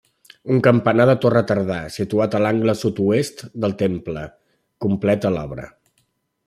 Un campanar de torre tardà, situat a l'angle sud-oest del temple, completa l'obra.